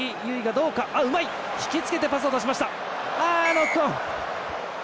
ノックオン。